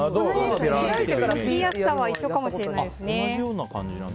むきやすさは一緒かもしれないですね。